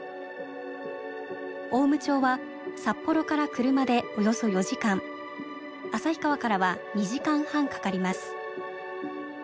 雄武町は札幌から車でおよそ４時間旭川からは２時間半かかります。